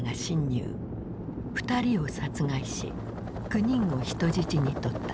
２人を殺害し９人を人質にとった。